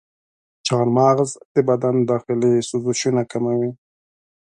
چارمغز د بدن داخلي سوزشونه کموي.